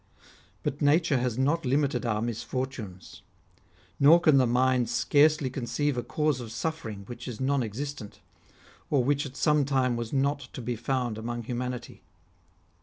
But nature has not limited our misfortunes ; nor can the mind scarcely conceive a cause of suffering which is non existent, or which at some time was not to be found among humanity.